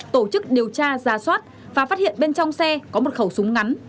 tổ chức điều tra ra soát và phát hiện bên trong xe có một khẩu súng ngắn